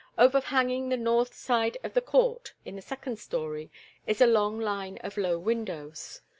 Overhanging the north side of the court—in the second story—is a long line of low windows.